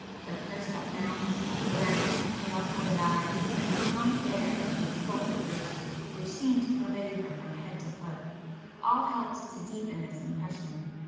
The pursed up mouth, the round pale coloured eyes and the chronic air of insulted virtue which seemed to pervade her from head to foot all helped to deepen this impression.